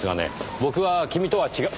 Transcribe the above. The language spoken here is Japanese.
僕は君とは違う。